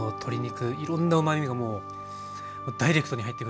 いろんなうまみがもうダイレクトに入ってくる感じで。